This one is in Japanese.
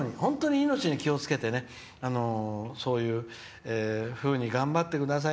命を気をつけてねそういうふうに頑張ってください。